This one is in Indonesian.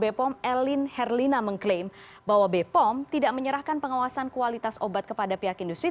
bepom elin herlina mengklaim bahwa bepom tidak menyerahkan pengawasan kualitas obat kepada pihak industri